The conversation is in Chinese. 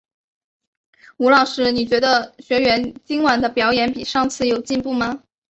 吴老师，你觉得学员今晚的表演比上次有进步吗？